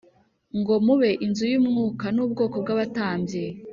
Ngo mube inzu y umwuka n ubwoko bw abatambyi